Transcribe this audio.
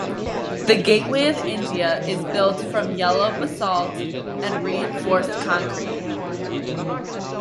The Gateway of India is built from yellow basalt and reinforced concrete.